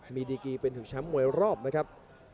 มีดีกีเป็นถึงแชมป์มวยรอบนะครับ